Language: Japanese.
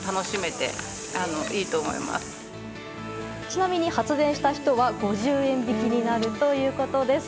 ちなみに発電した人は５０円引きになるということです。